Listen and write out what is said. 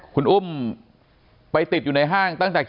คุณอุ้มไปติดอยู่ในห้างตั้งแต่